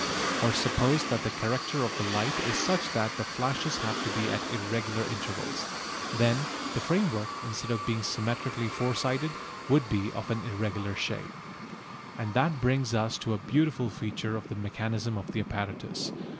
Or suppose that the character of the light is such that the flashes have to be at irregular intervals. Then the framework, instead of being symmetrically four sided, would be of an irregular shape. And that brings us to a beautiful feature of the mechanism of the apparatus.